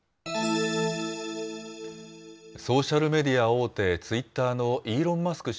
ソーシャルメディア大手、ツイッターのイーロン・マスク